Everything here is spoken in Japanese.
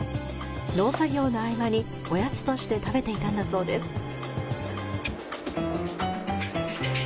農作業の合間におやつとして食べていたんだそうです。